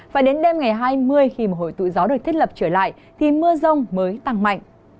và đến đêm ngày hai mươi khi hồi tụi gió được thiết lập trở lại thì mưa rông mới tăng mạnh